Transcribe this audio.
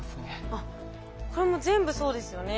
あっこれも全部そうですよね。